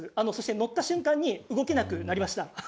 乗った瞬間に動けなくなりました。